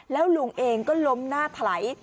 แล้วลุงเองก็ล้มหน้าถลาย